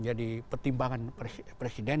jadi pertimbangan presiden